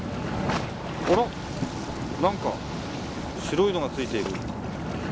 あら何か白いのがついている。